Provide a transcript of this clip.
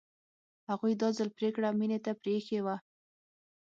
هغوی دا ځل پرېکړه مينې ته پرېښې وه